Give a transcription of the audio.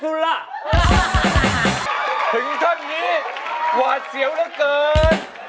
ถึงจัดนี้วาดเซียวและเกิน